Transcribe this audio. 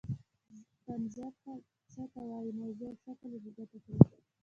طنز څه ته وايي موضوع او شکل یې په ګوته کړئ.